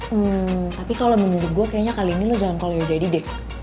hmm tapi kalau menurut gue kayaknya kali ini lo jangan call your daddy deh